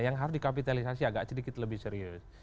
yang harus dikapitalisasi agak sedikit lebih serius